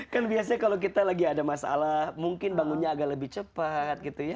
kan biasanya kalau kita lagi ada masalah mungkin bangunnya agak lebih cepat gitu ya